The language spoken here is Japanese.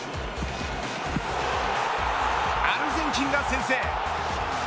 アルゼンチンが先制。